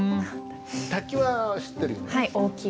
「滝」は知ってるよね？